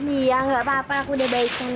iya gak apa apa aku udah baik baik